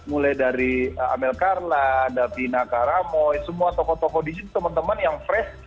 mulai dari amel karla davina karamoy semua tokoh tokoh di situ teman teman yang fresh